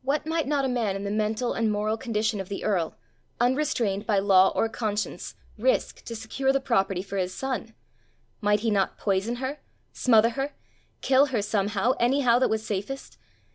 What might not a man in the mental and moral condition of the earl, unrestrained by law or conscience, risk to secure the property for his son? Might he not poison her, smother her, kill her somehow, anyhow that was safest?